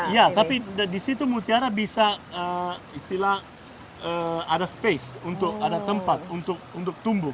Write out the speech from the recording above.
ya tapi di situ mutiara bisa istilah ada space untuk ada tempat untuk tumbuh